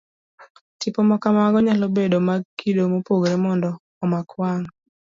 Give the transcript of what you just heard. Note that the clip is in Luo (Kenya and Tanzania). Tipo ma kamago nyalobedo mag kido mopogore mondo omak wang'.